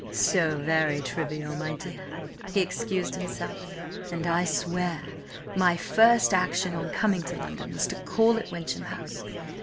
"So very trivial, my dear," he excused himself. "And I swear my first action on coming to London was to call at Wyncham House.